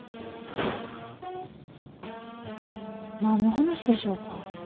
何の話でしょうか？